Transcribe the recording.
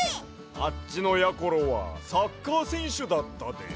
あっちのやころはサッカーせんしゅだったで。